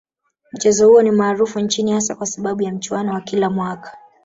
Mchezo huo ni maarufu nchini hasa kwa sababu ya mchuano wa kila mwaka